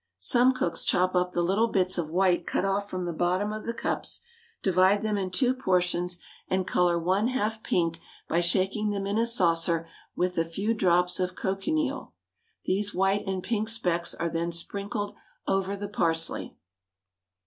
Some cooks chop up the little bits of white cut off from the bottom of the cups, divide them into two portions, and colour one half pink by shaking them in a saucer with a few drops of cochineal. These white and pink specks are then sprinkled over the parsley.